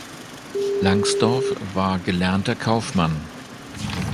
Langsdorff war gelernter Kaufmann.